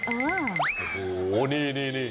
โอ้โฮนี่